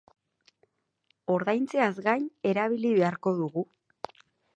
Ordaintzeaz gain erabili beharko dugu.